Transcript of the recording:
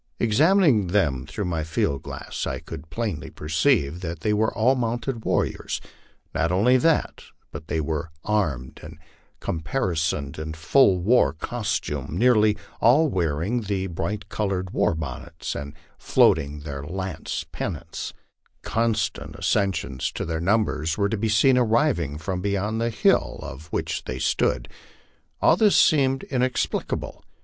Examining them through my field glass, 1 could plainly perceive that they were all mounted warriors ; not only that, but they were armed and caparisoned in full war costume, nearly all wearing the bright colored war bonnets and floating their lance pennants, Constant ac cessions to their numbers were to be seen arriving from beyond the hill oc which they stood. All this seemed inexplicable.